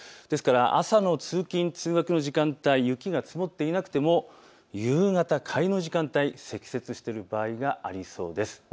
ですから朝の通勤通学の時間帯、雪が積もっていなくても夕方、帰りの時間帯、積雪している場合がありそうです。